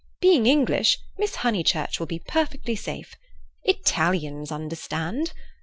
Being English, Miss Honeychurch will be perfectly safe. Italians understand.